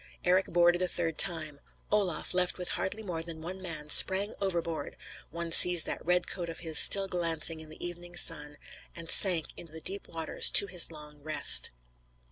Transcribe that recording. Eric boarded a third time. Olaf, left with hardly more than one man, sprang overboard (one sees that red coat of his still glancing in the evening sun), and sank in the deep waters to his long rest.